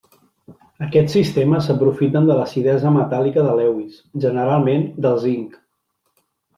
Aquests sistemes s'aprofiten de l'acidesa metàl·lica de Lewis, generalment del zinc.